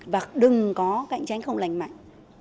và đừng có cạnh tranh không lành mạnh